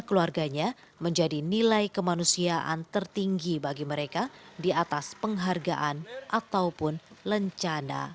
keluarganya menjadi nilai kemanusiaan tertinggi bagi mereka di atas penghargaan ataupun lencana